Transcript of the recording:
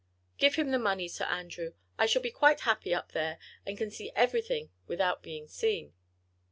"Give him the money, Sir Andrew; I shall be quite happy up there, and can see everything without being seen."